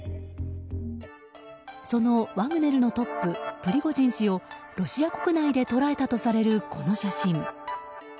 そのワグネルのトッププリゴジン氏をロシア国内で捉えたとされるこの写真。